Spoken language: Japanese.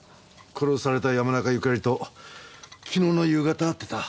殺された山中由佳里と昨日の夕方会ってた。